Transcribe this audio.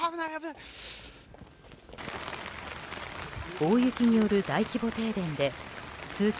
大雪による大規模停電で通勤